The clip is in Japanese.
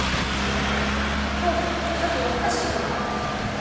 今日ちょっと夜更かししようか。